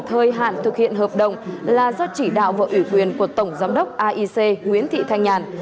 thời hạn thực hiện hợp đồng là do chỉ đạo vợ ủy quyền của tổng giám đốc aic nguyễn thị thanh nhàn